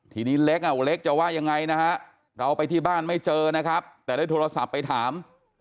ทีนี้เล็กอ่ะเล็กจะว่ายังไงนะฮะเราไปที่บ้านไม่เจอนะครับแต่ได้โทรศัพท์ไปถาม